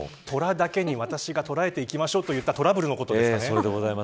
虎だけに私が捉えていきましょうと言ったトラブルのことですね。